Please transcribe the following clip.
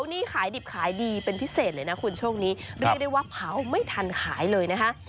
นี่ขายดิบขายดีเป็นพิเศษเลยนะคุณช่วงนี้เรียกได้ว่าเผาไม่ทันขายเลยนะคะ